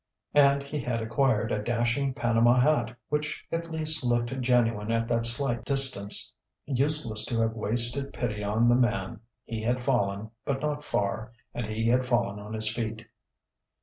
And he had acquired a dashing Panama hat which at least looked genuine at that slight distance. Useless to have wasted pity on the man: he had fallen, but not far, and he had fallen on his feet.